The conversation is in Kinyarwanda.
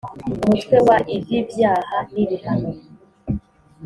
umutwe wa iv ibyaha n ibihano